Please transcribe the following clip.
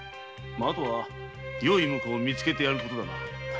後はよい婿を見つけてやることだな。